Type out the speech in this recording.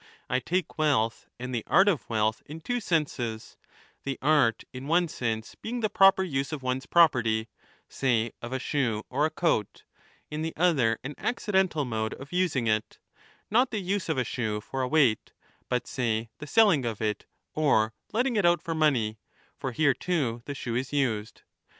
I take wealth and the art of wealth in two senses ; the art in one sense being the proper use of one's 1232* property (say of a shoe or a coat), in the other an accidental mode of using it — not the use of a shoe for a weight, but, say, the selling of it or letting it out for money ; for here too the shoe is used.